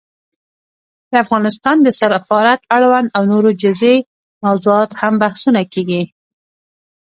د افغانستان د سفارت اړوند او نورو جزيي موضوعاتو هم بحثونه کېږي